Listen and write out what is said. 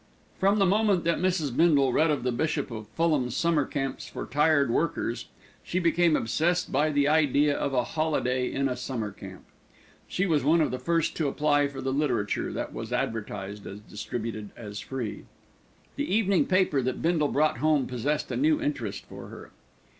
From the moment that Mrs. Bindle read of the Bishop of Fulham's Summer Camps for Tired Workers, she became obsessed by the idea of a holiday in a summer camp. She was one of the first to apply for the literature that was advertised as distributed free. The evening paper that Bindle brought home possessed a new interest for her.